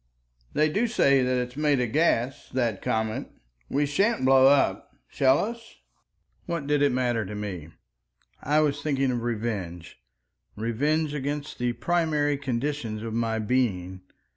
"They do say that it is made of gas, that comet. We sha'n't blow up, shall us?". .. What did it matter to me? I was thinking of revenge—revenge against the primary conditions of my being.